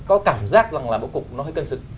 có cảm giác bố cục nó hơi cân xứng